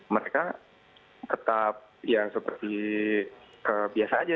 mereka tetap ya seperti biasa aja